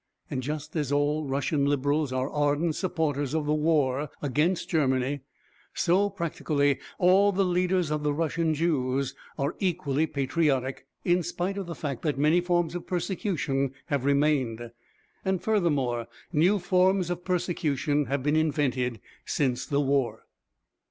And just as all Russian Liberals are ardent supporters of the war against Germany, so practically all the leaders of the Russian Jews are equally patriotic in spite of the fact that many forms of persecution have remained, and, furthermore, new forms of persecution have been invented since the war.